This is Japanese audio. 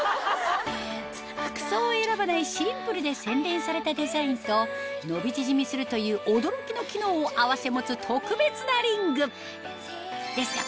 服装を選ばないシンプルで洗練されたデザインと伸び縮みするという驚きの機能を併せ持つ特別なリングですが